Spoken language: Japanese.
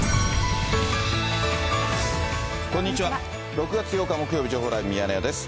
６月８日木曜日、情報ライブミヤネ屋です。